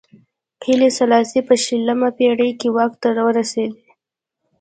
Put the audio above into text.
هیلي سلاسي په شلمه پېړۍ کې واک ته ورسېد.